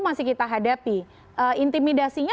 masih kita hadapi intimidasinya